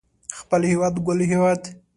خپل هيواد ګل هيواد